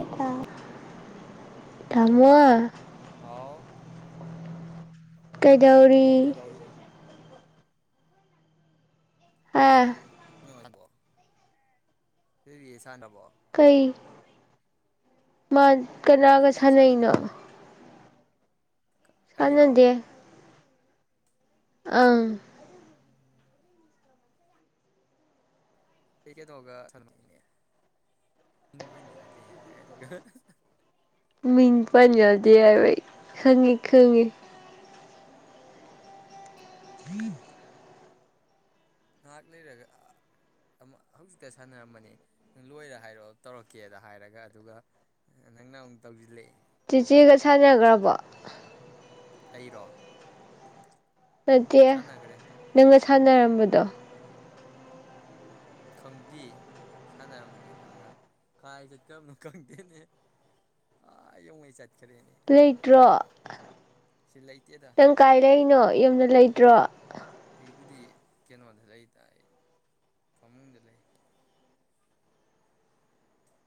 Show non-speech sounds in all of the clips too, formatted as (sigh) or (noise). ꯑꯥ hello. Hello ꯍꯥꯎ꯫ ꯀꯩꯗꯧꯔꯤ ꯅꯪ ꯀꯩꯗꯧꯔꯤ ꯑ ꯅꯪ (unintelligible) ꯀꯩ꯫ ꯃꯥ ꯀꯅꯥꯒ ꯔꯤꯒ ꯁꯥꯟꯅꯩꯅꯣ꯫ ꯁꯥꯟꯅꯗ꯭ꯔꯕꯣ ꯑꯩꯔꯣ ꯁꯥꯟꯅꯗꯦ꯫ ꯑꯪꯡ ꯑꯩ ꯀꯩꯅꯣꯒ ꯁꯥꯟꯅꯕꯅꯤꯅꯦ ꯃꯤꯡ ꯄꯟ ꯌꯥꯗꯦ ꯍꯥꯢꯔꯒ ꯃꯤꯡ ꯄꯟ ꯌꯥꯗꯦ ꯍꯥꯏꯕ ꯑꯩ ꯈꯪꯉꯤ ꯈꯪꯉꯤ꯫ (unintelligible) ꯉꯥꯍꯥꯛ ꯂꯩꯔꯒ ꯍꯧꯖꯤꯛꯇ ꯁꯥꯟꯅꯔꯝꯕꯅꯤ ꯅꯪ ꯂꯣꯏꯔ ꯍꯥꯏꯔꯛꯑꯣ ꯇꯧꯔꯛꯀꯦꯗ ꯍꯥꯏꯔꯒ ꯑꯗꯨꯒ ꯅꯪꯅ ꯑꯃꯨꯛ ꯇꯧꯁꯤꯜꯂꯛꯑꯦ ꯆꯤꯆꯦꯒ ꯁꯥꯟꯅꯒ꯭ꯔꯕꯣ꯫ ꯑꯩꯔꯣ꯫ ꯅꯠꯇꯦ ꯁꯥꯟꯅꯈ꯭ꯔꯦ ꯅꯪ ꯁꯥꯟꯅꯔꯝꯕꯗꯣ ꯈꯪꯗꯤꯌꯦ ꯁꯥꯟꯅꯔꯝꯃꯅꯤ ꯃꯥꯒ ꯀꯥꯏ ꯆꯠꯀꯕꯅꯣ ꯈꯪꯗꯦꯅꯦ ꯑꯥ ꯌꯧꯉꯩ ꯆꯠꯈ꯭ꯔꯦ꯫ ꯂꯩꯇ꯭ꯔꯣ꯫ ꯁꯤ ꯂꯩꯇꯦꯗ ꯅꯪ ꯀꯥꯏ ꯂꯩꯅꯣ꯫ ꯌꯨꯝꯗ ꯂꯩꯇ꯭ꯔꯣ꯫ ꯑꯩꯕꯨꯗꯤ ꯀꯩꯅꯣꯗ ꯂꯩꯗ ꯑꯩ ꯐꯃꯨꯡꯗ ꯂꯩ꯫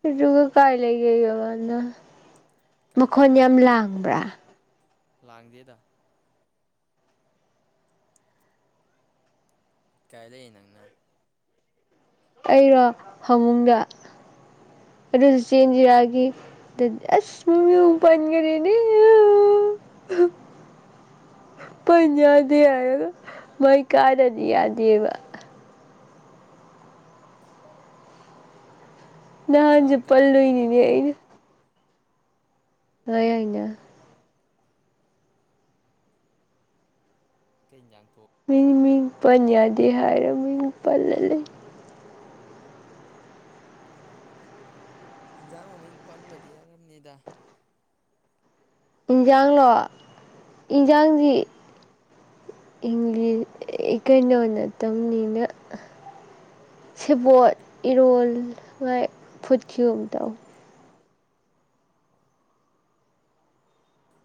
ꯑꯗꯨꯒ ꯀꯥꯥꯏ ꯂꯩꯔꯤꯕ ꯃꯥꯟꯅ꯫ ꯀꯥꯏ ꯃꯈꯣꯟ ꯌꯥꯝ ꯂꯩꯈ꯭ꯔꯕꯅꯣ ꯈꯪꯗꯦ ꯂꯥꯡꯕ꯭ꯔꯥ꯫ ꯂꯥꯡꯗꯦꯗ꯫ ꯀꯥꯏ ꯂꯩ ꯅꯪꯅ꯫ ꯑꯩꯔꯣ ꯍꯃꯨꯡꯗ ꯑꯗꯨꯁꯨ ꯆꯦꯟꯖꯤꯔꯥꯒꯤꯗꯤ ꯑꯁ ꯃꯨ ꯄꯟꯈꯔꯦꯅꯦ ꯄꯟ ꯌꯥꯗꯦ ꯍꯥꯏꯔꯒ ꯃꯩ ꯀꯥꯗꯗꯤ ꯌꯥꯗꯦꯕ ꯑꯣ ꯅꯍꯥꯟꯖꯨ ꯆꯥꯡ ꯀꯅꯥꯅ ꯄꯜꯂꯨꯏ ꯅꯤꯅꯦ ꯊꯣꯡꯉꯤꯕ ꯑꯩꯅ ꯗ ꯑꯩꯅ ꯂꯤꯂꯥꯡꯄꯨꯔ ꯃꯤ ꯃꯤꯡ ꯄꯟ ꯌꯥꯗꯦ ꯍꯥꯏꯔ ꯃꯤꯡ ꯄꯜꯂ ꯂꯩ ꯏꯟꯖꯥꯡ ꯃꯃꯤꯡ ꯄꯟꯕꯗꯤ ꯌꯥꯔꯝꯅꯤꯗ ꯏꯟꯖꯥꯡꯂꯣ ꯎꯝ ꯏꯟꯖꯥꯡꯖꯤ ꯏꯪꯂꯤ ꯀꯩꯅꯣ ꯅꯠꯇꯕꯅꯤꯅ ꯁꯦꯕꯣꯠ ꯏꯔꯣꯜ ꯉꯥꯏ ꯐꯨꯠꯈꯤꯕꯌꯣꯝ ꯇꯧ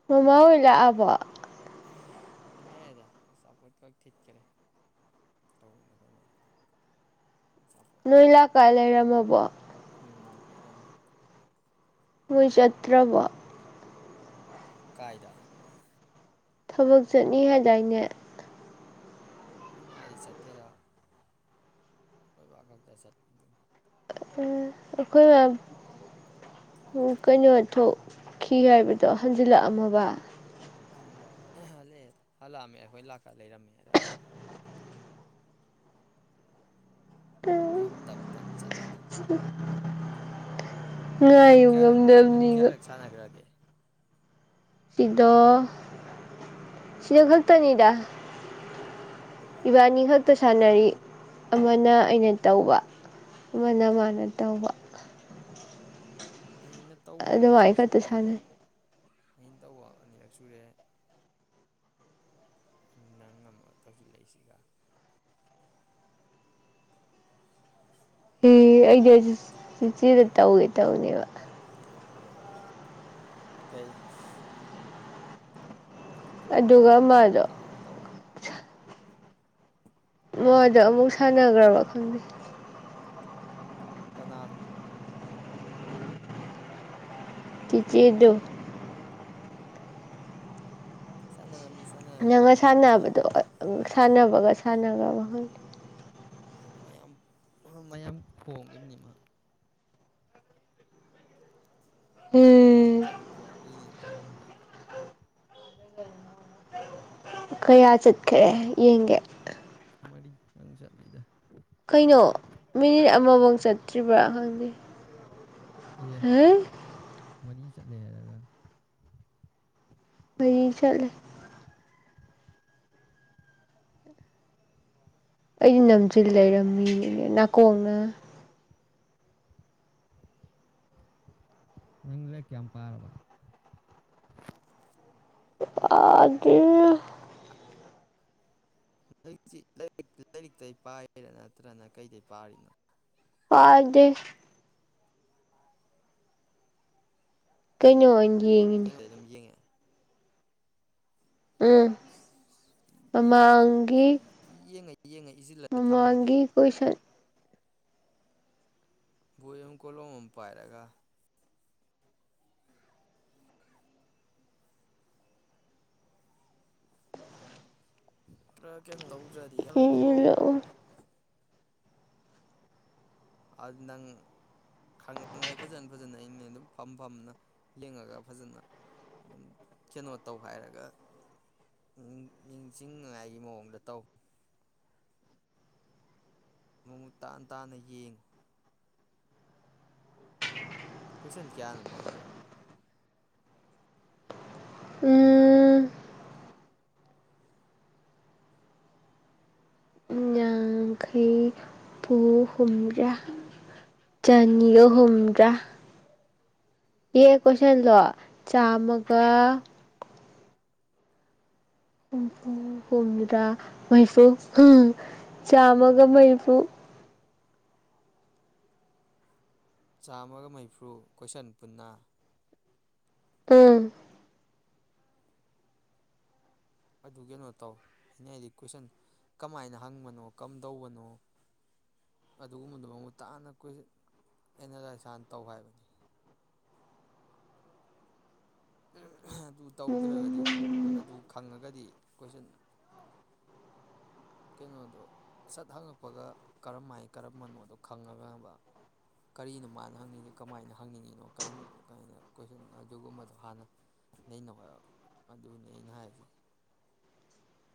ꯃꯃꯍꯣꯏ ꯂꯥꯛ ꯑꯕꯣ ꯂꯩꯥꯛꯑꯦꯗ ꯑꯆꯥꯄꯣꯠꯈ ꯊꯤꯠꯈ꯭ꯔꯦ ꯇ (inaudible) ꯅꯣꯏꯂꯥꯛ ꯀꯥꯏ ꯂꯩꯔꯝꯃꯕꯣ ꯎꯝ ꯂꯩꯔꯝꯃꯤ ꯅꯣꯏ ꯆꯠꯇꯔꯕꯣ ꯀꯥꯏꯗꯥ ꯊꯕꯛ ꯆꯠꯅꯤ ꯍꯥꯏꯗꯥꯏꯅꯦ ꯑꯩꯈꯣꯏ ꯃꯥꯗꯤ ꯆꯠꯇꯦꯗ ꯑꯩꯈꯣꯏꯕ ꯈꯛꯇ ꯆꯠꯄ ꯑꯩꯈꯣꯏꯅ ꯀꯩꯅꯣ ꯊꯣꯛꯈꯤ ꯍꯥꯏꯕꯗꯣ ꯍꯟꯖꯤꯜꯂꯛꯑꯝꯃꯕ ꯎꯝ ꯍꯜꯂꯛꯑ ꯍꯜꯂꯛꯑꯝꯃꯦ ꯑꯩꯈꯣꯏ ꯂꯥꯛꯀ ꯂꯩꯔꯝꯃꯦ ꯍꯥꯏꯔ ꯌꯥꯝ ꯇꯝ ꯇꯝ ꯆꯠꯂꯤꯅ ꯉꯥꯏꯌꯨ ꯅꯪꯀꯌꯥꯔꯛ ꯉꯝꯗꯕꯅꯤꯒ ꯅꯪꯀꯌꯥꯔꯛ ꯁꯥꯅꯒ꯭ꯔꯒꯦ ꯁꯤꯗꯣ ꯁꯤꯗ ꯈꯛꯇꯅꯤꯗ ꯏꯕꯥꯅꯤ ꯈꯛꯇ ꯑꯣ ꯁꯥꯟꯅꯔꯤ ꯑꯃꯅ ꯑꯩꯅ ꯇꯧꯕ ꯑꯃꯅ ꯃꯥꯅ ꯇꯧꯕ ꯑꯩꯅ ꯇꯧꯕ ꯑꯅꯤꯔꯛ ꯑꯗꯨꯃꯥꯏꯅ ꯈꯛꯇ ꯁꯨꯔꯦ ꯁꯥꯟꯅꯩ ꯑꯩꯅ ꯇꯧꯕ ꯑꯅꯤꯔꯛ ꯁꯨꯔꯦ ꯅꯪ ꯑꯃꯝꯃꯒ ꯇꯧꯖꯤꯜꯂꯛꯏꯁꯤꯒ ꯏ ꯑꯩꯗꯤ ꯑꯁꯤ ꯆꯦꯆꯦꯗ ꯇꯧꯒꯦ ꯇꯧꯅꯦꯕ ꯀꯩ ꯗꯤ ꯀꯣꯛ ꯑꯗꯨꯒ ꯀꯥꯡꯒ ꯀꯣꯡꯒ ꯃꯥꯗꯣ ꯀꯥꯡꯒ ꯇꯧꯔꯤ ꯃꯥꯗ ꯑꯃꯨꯛ ꯁꯥꯟꯅꯈ꯭ꯔꯕ ꯈꯪꯗꯦ ꯀꯅꯥꯅꯣ ꯆꯤꯆꯦꯗꯨ ꯆꯥꯅꯔꯝꯅꯤ ꯆꯥ ꯅꯪꯒ ꯁꯥꯟꯅꯕꯗꯣ ꯁꯥꯟꯅꯕꯒ ꯁꯥꯟꯅꯕ ꯃꯥꯜꯍꯜꯂꯤ ꯃꯌꯥꯝ ꯃꯌꯥꯝ ꯈꯣꯡꯉꯤꯝꯅꯤ ꯃꯥ ꯎꯝ ꯇꯔꯨꯄ ꯋꯥꯠꯂꯤꯅꯦ ꯇꯧꯁꯤ ꯀꯌꯥ ꯀꯛꯑ ꯌꯦꯡꯒꯦ ꯃꯔꯤꯇꯪ ꯆꯠꯂꯤꯗ ꯀꯩꯅꯣ ꯃꯤꯅꯤꯠ ꯑꯃꯕꯧ ꯆꯠꯇ꯭ꯔꯤꯕ꯭ꯔꯥ ꯈꯪꯗꯦ ꯑꯦ ꯍꯥ ꯃꯔꯤ ꯆꯠꯂꯦ ꯍꯥꯏꯔꯒ ꯃ (unintelligible) ꯆꯠꯂꯦ ꯑꯩ ꯅꯥꯟꯖꯤꯟ ꯂꯩꯔꯝꯃꯤ ꯅꯥꯀꯣꯡꯅ ꯅꯪ ꯂꯥꯏꯔꯤꯛ ꯀꯌꯥꯝ ꯄꯥꯔꯕ ꯑꯗꯨ ꯍꯧꯛꯇꯔꯤ ꯂꯥꯏꯔꯤꯛꯇꯦꯏ ꯄꯥꯔꯤꯔꯥ ꯅꯠꯇ꯭ꯔꯅ ꯀꯩꯗꯩ ꯄꯥꯔꯤꯅꯣ ꯄꯗꯦ ꯀꯩ ꯀꯩꯅꯣ ꯑꯣꯏꯅ ꯌꯦꯡꯉꯤꯅꯦ ꯀꯩꯅꯣ ꯑꯗꯨꯝ ꯌꯦꯡꯉꯦ ꯎꯝ ꯃꯃꯥꯡꯒꯤ ꯌꯦꯡꯉ ꯌꯦꯡꯉ ꯏꯁꯤꯜꯂ ꯊꯝꯃꯨꯅꯦ ꯃꯃꯪꯒꯤ ꯀꯣꯏꯁꯟ ꯕꯣꯏ ꯑꯃ ꯀꯣꯂꯣꯝ ꯑꯃ ꯄꯥꯏꯔꯒ ꯈꯔꯥ ꯀꯩꯅꯣ ꯇꯧ ꯏ (unintelligible) ꯑꯗꯨ ꯅꯪ ꯈꯪꯅꯉꯥꯏ ꯐꯖꯅ ꯐꯖꯅ ꯑꯩꯅ ꯑꯗꯨꯝ ꯐꯝ ꯐꯝꯅ ꯂꯤꯡꯉꯒ ꯐꯖꯅ ꯑꯗꯨꯝ ꯀꯩꯅꯣ ꯇꯧ ꯍꯥꯏꯔꯒ ꯅꯤꯡꯁꯤꯡꯅꯉꯥꯏꯒꯤ ꯃꯑꯣꯡꯗ ꯇꯧ ꯃꯃꯨꯠ ꯇꯥꯅ ꯇꯥꯅ ꯌꯦꯡꯉꯨ ꯀꯣꯏꯏꯁꯟ ꯀꯌꯥꯅꯨ ꯅꯣꯏꯗꯣ ꯄꯨꯟꯅ ꯎꯝ ꯌꯥꯡꯈꯩ ꯄꯨ ꯍꯨꯝꯗ꯭ꯔꯥ ꯆꯅꯤꯒ ꯍꯨꯝꯗ꯭ꯔꯥ ꯌꯦ ꯀꯣꯏꯁꯟꯗꯣ ꯆꯥꯝꯃꯒ ꯍꯨꯝꯐꯨ ꯍꯨꯝꯗꯔꯥ ꯃꯩꯐꯨ ꯆꯥꯝꯃꯒ ꯃꯩꯐꯨ ꯆꯥꯝꯃꯒ ꯃꯔꯤꯐꯨ ꯀꯣꯏꯁꯟ ꯄꯨꯟꯅ ꯎꯝ ꯑꯗꯨ ꯀꯩꯅꯣ ꯇꯧ ꯍꯥꯏꯩꯅ ꯍꯥꯏꯗꯤ ꯀꯣꯏꯁꯟ ꯀꯃꯥꯏꯅ ꯍꯪꯕꯅꯣ ꯀꯔꯝꯗꯧꯕꯅꯣ ꯑꯗꯨꯒꯨꯝꯕꯗꯨꯣ ꯃꯃꯨꯠ ꯇꯥꯅ ꯀꯟ ꯑꯦꯅꯥꯂꯥꯏꯁ ꯍꯥꯟꯅ ꯇꯧ ꯍꯥꯏꯕꯅꯤ ꯎꯝ ꯑꯗꯨ ꯇꯧꯗ꯭ꯔꯒꯗꯤ ꯎꯝ ꯑꯗꯨ ꯈꯪꯉꯒꯗꯤ ꯀꯣꯏꯁꯟ ꯀꯩꯅꯣꯗꯣ ꯁꯠ ꯍꯪꯉꯛꯄꯒ ꯀꯔꯝꯍꯥꯏꯅ ꯀꯔꯝꯕꯅꯣꯗꯣ ꯈꯪꯉꯒꯕ ꯀꯔꯤꯅꯣ ꯃꯥꯅ ꯍꯪꯉꯤ ꯀꯃꯥꯏꯅ ꯍꯪꯅꯤꯡꯉꯤꯅꯣ ꯀꯔꯝꯕꯅꯣ ꯀꯥꯏꯅ ꯀꯣꯏꯁꯟ ꯑꯗꯨꯒꯨꯝꯕꯗꯣ ꯍꯥꯟꯅ ꯅꯩꯅꯅꯧ ꯍꯥꯏꯕ ꯑꯗꯨꯅꯤ ꯑꯩꯅ ꯍꯥꯏꯁ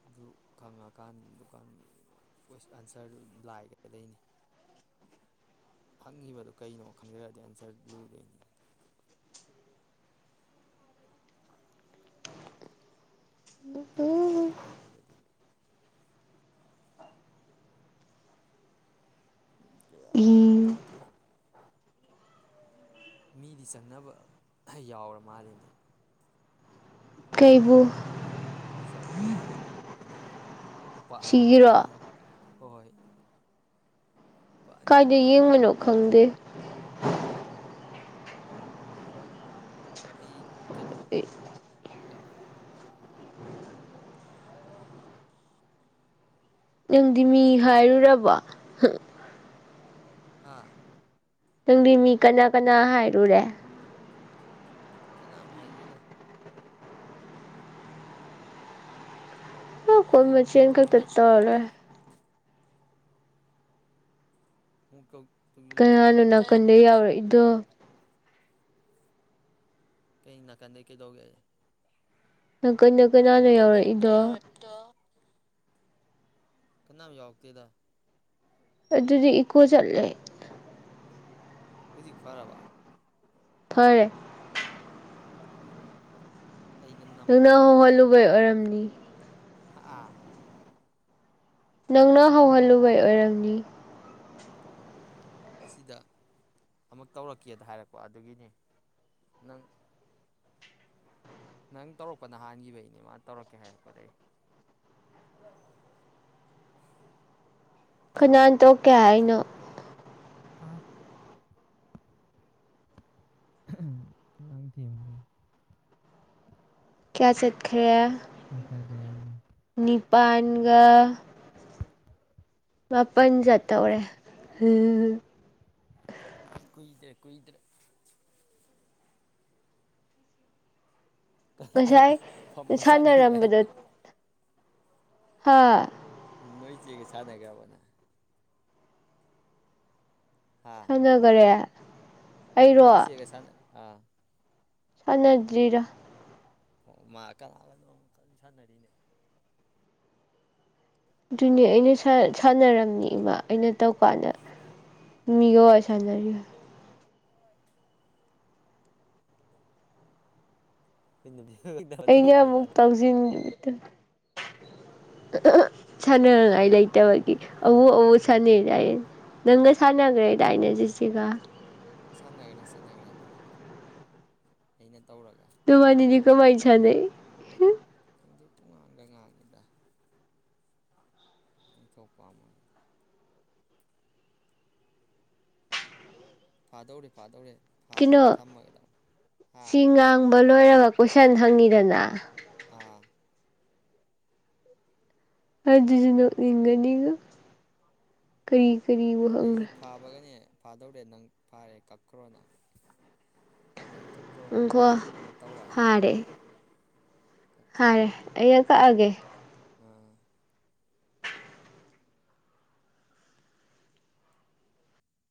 ꯑꯗꯨ ꯈꯪꯉꯀꯥꯟꯗ ꯀꫭꯑꯟꯁꯔꯗꯨ ꯂꯥꯏꯒꯗꯣꯏꯅꯤ ꯍꯪꯉꯤꯕꯗꯨꯣ ꯀꯩꯅꯣ ꯈꯪꯖꯔꯛꯗꯤ ꯑꯟꯁꯔ ꯂꯨꯗꯣꯏꯅꯤ ꯑꯗꯨ ꯄꯥꯎ ꯄꯥꯎ ꯍꯥꯏꯗ ꯑꯗꯨꯅꯤ ꯏ ꯒꯌ꯭ꯥꯟ ꯇꯥꯗꯦ ꯃꯤꯗꯤ ꯆꯪꯅꯕ ꯌꯥꯎꯔ ꯃꯥꯜꯂꯤꯅꯦ ꯀꯩꯕꯨ ꯄꯩꯁꯥ (unintelligible) ꯂꯨꯄꯥ ꯑꯅꯤ ꯑꯅꯤ ꯁꯤꯒꯤꯔꯣ ꯌꯥꯅ ꯍꯣꯏ ꯂꯨꯄꯥ ꯑꯅꯤ ꯀꯏꯗ ꯑꯅꯤ ꯍꯥꯟꯅ ꯌꯦꯡꯕꯅꯣ ꯈꯪꯗꯦ (inaudible) ꯑꯩ ꯀꯩꯅꯣ ꯌꯥꯎꯋꯦꯕ ꯅꯪꯗꯤ ꯃꯤ ꯍꯥꯏꯔꯨꯔꯕꯣ ꯍꯥꯥ ꯅꯪꯗꯤ ꯃꯤ ꯀꯅꯥ ꯀꯅꯥ ꯍꯥꯏꯔꯨꯔꯦ ꯀꯅꯥꯝ ꯍꯥꯏꯒꯦꯗ ꯀꯣꯏ ꯑꯃꯨꯛ ꯃꯆꯤꯟꯅ ꯇꯧꯁꯤꯜꯂꯛꯀꯦ ꯈꯛꯇ ꯇꯧ ꯇꯧꯔꯥ ꯂꫭꯏꯔꯦ (unintelligible) ꯀꯅꯥꯅ ꯅꯥꯀꯟꯗ ꯇꯧꯔꯝꯕꯅꯤ ꯌꯥꯎꯔꯛ ꯏꯗꯣ ꯀꯩ ꯅꯥꯀꯟꯗꯩ ꯀꯩꯗꯧꯒꯦ ꯍꯥꯏꯁꯤ ꯅꯥꯀꯟꯗꯩ ꯀꯅꯥꯅꯣ ꯌꯥꯎꯔꯛꯏꯗꯣ ꯀꯅꯥꯃꯤ ꯌꯥꯎꯛꯇꯗ ꯑꯗꯨꯗꯤ ꯏꯀꯣ ꯆꯠꯂꯦ ꯍꯧꯖꯤꯛ ꯐꯔꯕꯥ ꯐꯔꯦ ꯑꯣ ꯑꯩꯅ ꯅꯪꯅ ꯍꯣꯜꯂꯨꯕꯩ ꯑꯣꯏꯔꯝꯅꯤ ꯑ ꯑꯥ ꯅꯪꯅ ꯍꯧꯍꯜꯂꯨꯕꯩ ꯑꯣꯏꯔꯝꯅꯤ ꯑꯁꯤꯗ ꯑꯃꯨꯛ ꯇꯧꯔꯛꯀꯦꯗ ꯍꯥꯏꯔꯛꯄ ꯑꯗꯨꯒꯤꯅꯤ ꯅꯪ ꯅꯪ ꯇꯧꯔꯛꯄ ꯅꯍꯥꯟꯈꯤꯕꯒꯤꯅꯦ ꯃꯥ ꯇꯧꯔꯛꯀꯦ ꯍꯥꯏꯔꯛꯄꯗꯩ ꯈꯅꯥꯅ ꯇ ꯀꯌꯥꯅ ꯑ ꯗꯤꯦꯝꯒꯤ ꯀꯌꯥ ꯆꯠꯈ꯭ꯔꯦ ꯑꯪꯀꯔꯗꯌꯥꯅ ꯅꯤꯄꯥꯥꯟꯒ ꯃꯥꯄꯟ ꯆꯥ ꯑꯣꯔꯦ ꯍꯝ ꯀꯨꯏꯗ꯭ꯔꯦ ꯀꯨꯏꯗ꯭ꯔꯦ ꯀꯔ ꯉꯁꯥꯏ ꯐ ꯃꯁꯥꯅꯔꯤ ꯌꯥꯅ ꯍꯥꯥ ꯅꯣꯏ ꯆ ꯀ ꯁꯥ ꯅ ꯀꯕꯅꯦ ꯁꯅꯒꯔꯦ ꯅꯪ ꯂꯣꯏꯁꯤꯦꯒꯁꯅꯪ ꯑꯥ ꯁ ꯅꯖꯤꯔꯤꯔ ꯑꯣ ꯃꯥ ꯀꯅꯥꯒꯅꯣ ꯑꯃꯨꯛ ꯀꯟꯅ ꯁꯥꯟꯅꯔꯤꯅꯦ ꯑꯗꯨꯅꯦ ꯑꯩꯅ ꯁꯥꯟꯅꯔꯝꯅꯤ ꯏꯃꯥ ꯑꯩꯅ ꯇꯧꯀꯥꯟꯗ ꯃꯤꯒꯣ ꯁꯥꯟꯅꯔꯤ ꯀꯩꯅꯕꯤ꯫ ꯑꯩꯅ ꯑꯃꯨꯛ ꯇꯧꯖꯤꯟ ꯁꯥꯟꯅꯉꯥꯏ ꯂꯩꯇꯕꯒꯤ ꯑꯎ ꯑꯎ ꯁꯥꯟꯅꯩꯗꯥꯏ ꯅꯪꯒ ꯁꯥꯟꯅꯈ꯭ꯔꯦꯗꯥꯏꯅꯦ ꯖꯤꯁꯤꯒ ꯁꯟꯅꯒꯔꯦ ꯁꯠꯅꯒꯔꯦꯃ ꯑꯩꯅ꯫ ꯇꯧꯔꯒ ꯃꯥꯅ ꯅꯕꯥꯅꯤꯗꯤ ꯇꯧꯕꯗꯤ ꯀꯃꯥꯏ ꯁꯥꯅꯩ꯫ ꯄꯨ ꯉꯥꯡꯗ ꯉꯥꯡꯉꯦꯗ ꯑꯩ ꯊꯣꯛꯄꯥ ꯑꯃ꯫ ꯐꯥꯗꯧꯔꯦ ꯐꯥꯗꯧꯔꯦ꯫ ꯀꯩꯅꯣ ꯐꯥꯕꯒ ꯊꯝꯃꯒꯗꯧ ꯍꯥ ꯁꯤ ꯉꯥꯡꯕ ꯂꯣꯏꯔꯒ꯫ ꯀꯣꯏꯁꯟ ꯍꯪꯉꯤꯗꯅ꯫ ꯑꯥ ꯑꯗꯨꯗꯤ ꯅꫭꯛꯅꯤꯡꯉꯥꯅꯤꯉꫭ ꯀꯩ꯫ ꯑꯩꯁꯤ ꯐꯥꯕꯒꯅꯦ ꯐꯥꯗꯧꯔꯦ ꯅꯪ ꯐꯥꯔꯦ ꯀꯛꯈ꯭ꯔꯣ ꯅꯪ꯫ ꯅꯪ ꯀꯛꯈ꯭ꯔꯣ ꯎꯪꯈꯣ ꯑꯃ ꯇꯧꯔꯛꯑꯅꯤ꯫ ꯀꯛꯈ꯭ꯔꯣ ꯍꯥꯔꯦ ꯑꯩꯅ ꯀꯛꯑꯒꯦ꯫ ꯑꯥ